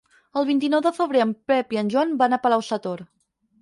El vint-i-nou de febrer en Pep i en Joan van a Palau-sator.